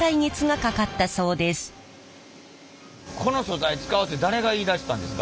この素材使おうって誰が言いだしたんですか？